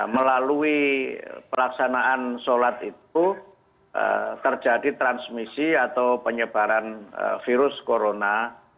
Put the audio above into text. melalui pelaksanaan sholat itu terjadi transmisi atau penyebaran virus corona